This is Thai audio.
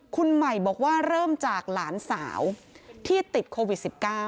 คุณใหม่บอกว่าเริ่มจากหลานสาวที่ติดโควิด๑๙